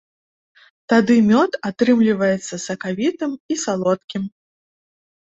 Тады мёд атрымліваецца сакавітым і салодкім.